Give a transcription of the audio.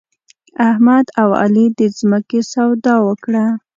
احمد او علي د ځمکې سودا وکړه.